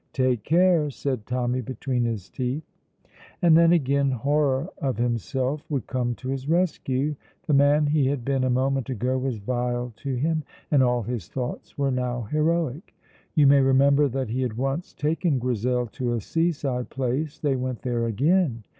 "Take care!" said Tommy between his teeth. And then again horror of himself would come to his rescue. The man he had been a moment ago was vile to him, and all his thoughts were now heroic. You may remember that he had once taken Grizel to a seaside place; they went there again.